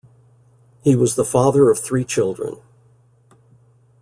He was the father of three children.